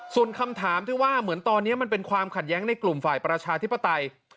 ส่วนคำถามที่ว่าเหมือนตอนนี้มันเป็นความขัดแย้งในกลุ่มฝ่ายประชาธิปไตย